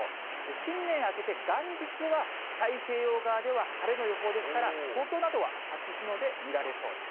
新年明けて、元日は、太平洋側では晴れの予報ですから、東京などは初日の出見られそうです。